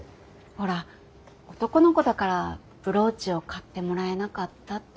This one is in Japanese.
ほら男の子だからブローチを買ってもらえなかったっていう。